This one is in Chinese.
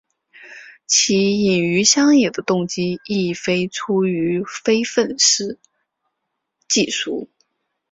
其隐于乡野的动机亦非出于非愤世嫉俗。